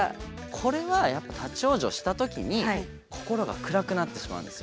これはやっぱ立往生した時に心が暗くなってしまうんですよ。